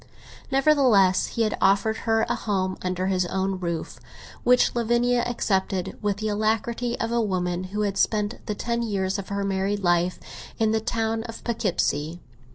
Nevertheless he had offered her a home under his own roof, which Lavinia accepted with the alacrity of a woman who had spent the ten years of her married life in the town of Poughkeepsie.